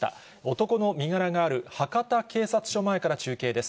男の身柄がある博多警察署前から中継です。